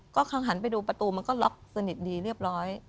ก็เขาหันไปดูประตูมันก็ล็อกสนิทดีเรียบร้อย